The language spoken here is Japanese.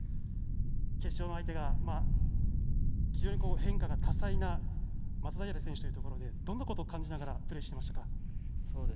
決勝の相手が非常に変化が多彩な松平選手ということでどんなことを感じながらプレーしていましたか？